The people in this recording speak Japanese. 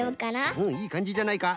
うんいいかんじじゃないか。